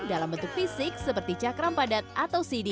dalam bentuk fisik seperti cakram padat atau cd